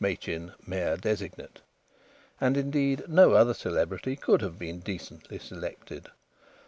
Machin, Mayor designate." And, indeed, no other celebrity could have been decently selected.